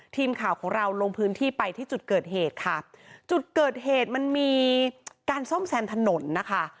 ทีมข่าวของเราลงพื้นที่ไปที่จุดเกิดเหตุค่ะจุดเกิดเหตุมันมีการซ่อมแซมถนนนะคะ